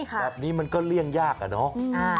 แบบนี้มันก็เลี่ยงยากอะเนาะ